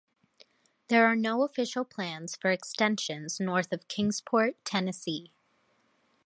There are no official plans for extensions north of Kingsport, Tennessee.